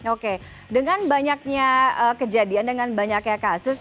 oke dengan banyaknya kejadian dengan banyaknya kasus